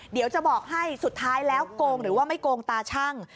เดี๋ยวจะบอกให้สุดท้ายแล้วโกงหรือว่าไม่โกงตาชั่ง